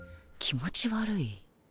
気持ち悪い。